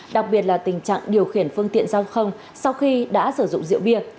đặc biệt là tình trạng điều khiển phương tiện giao thông sau khi đã sử dụng rượu bia